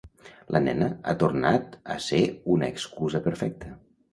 La nena ha tornat a ser una excusa perfecta.